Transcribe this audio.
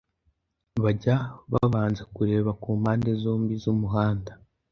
bajya babanza kureba ku mpande zombi z’umuhanda